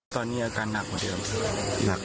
ตอนนี้อาการหนักเหรอครับ